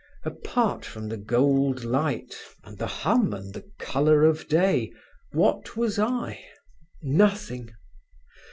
Apart from the gold light, and the hum and the colour of day, what was I? Nothing!